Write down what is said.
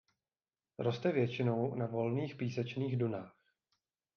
Roste většinou na volných písečných dunách.